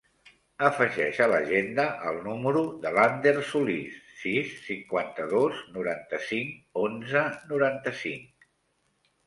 Afegeix a l'agenda el número de l'Ander Solis: sis, cinquanta-dos, noranta-cinc, onze, noranta-cinc.